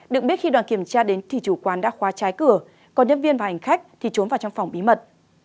được biết khi đoàn kiểm tra đến thì chủ quán đã khóa trái cửa còn nhân viên và hành khách thì trốn vào trong phòng bí mật